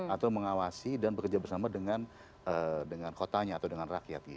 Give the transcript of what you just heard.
atau mengawasi dan bekerja bersama dengan kotanya atau dengan rakyat